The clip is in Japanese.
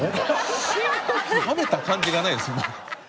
食べた感じがないです。